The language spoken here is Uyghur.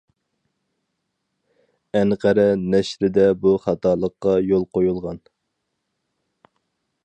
ئەنقەرە نەشرىدە بۇ خاتالىققا يول قويۇلغان.